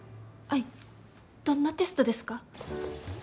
アイどんなテストですか？